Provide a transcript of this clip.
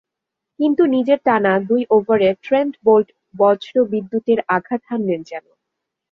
কিন্তু নিজের টানা দুই ওভারে ট্রেন্ট বোল্ট বজ্রবিদ্যুতের আঘাত হানলেন যেন।